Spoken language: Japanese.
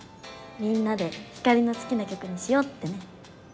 みんなでひかりの好きな曲にしようってね。